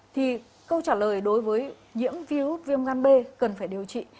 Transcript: thì câu trả lời đối với nhiễm viếu út viêm gan b cần phải điều trị